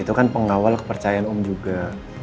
itu kan pengawal kepercayaan om juga